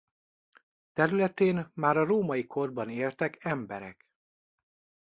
Területén már a római korban éltek emberek.